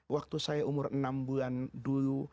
waktu saya umur enam bulan dulu